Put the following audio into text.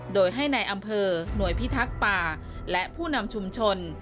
โดยให้ในอำเภอหน่วยพิทักษ์ป่าและผู้นำชุมชน